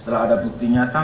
setelah ada bukti nyata